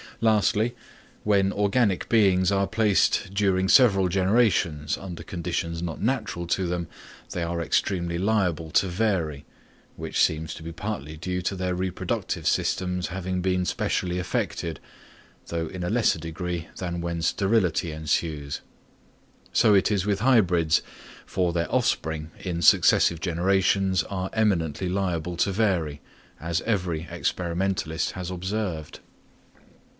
Lastly, when organic beings are placed during several generations under conditions not natural to them, they are extremely liable to vary, which seems to be partly due to their reproductive systems having been specially affected, though in a lesser degree than when sterility ensues. So it is with hybrids, for their offspring in successive generations are eminently liable to vary, as every experimentalist has observed.